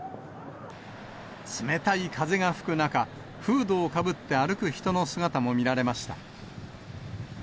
冷たい風が吹く中、フードをかぶって歩く人の姿も見られました。